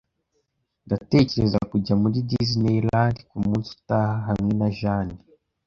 Ndatekereza kujya muri Disneyland kumunsi utaha hamwe na Jane.